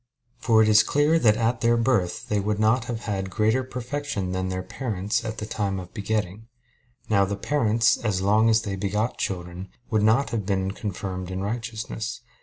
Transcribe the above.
For it is clear that at their birth they would not have had greater perfection than their parents at the time of begetting. Now the parents, as long as they begot children, would not have been confirmed in righteousness.